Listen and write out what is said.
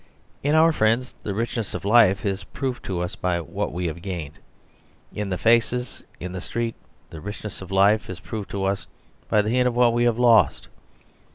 In our friends the richness of life is proved to us by what we have gained; in the faces in the street the richness of life is proved to us by the hint of what we have lost.